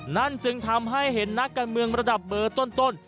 นั่นจึงทำให้เห็นนักการเมืองระดับเบอร์ต้น